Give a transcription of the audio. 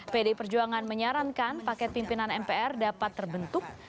pdi perjuangan menyarankan paket pimpinan mpr dapat terbentuk